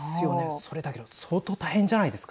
それだけど相当、大変じゃないですか。